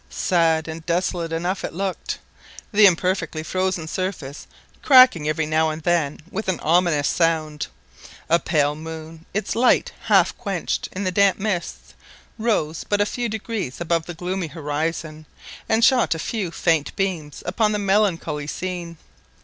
Sad and desolate enough it looked, the imperfectly frozen surface cracking every now and then with an ominous sound. A pale moon, its light half quenched in the damp mists, rose but a few degrees above the gloomy horizon and shot a few faint beams upon the melancholy scene.